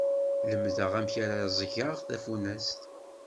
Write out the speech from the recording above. Lemdeɣ amek ara ẓẓgeɣ tafunast.